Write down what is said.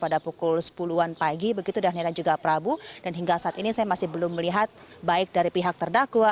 pada pukul sepuluhan pagi begitu daniel dan juga prabu dan hingga saat ini saya masih belum melihat baik dari pihak terdakwa